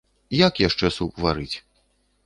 Як яшчэ суп варыць?